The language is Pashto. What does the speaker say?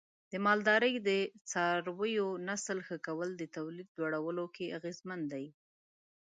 د مالدارۍ د څارویو نسل ښه کول د تولید لوړولو کې اغیزمن دی.